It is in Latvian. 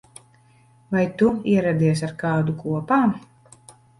Vai tu ieradies ar kādu kopā?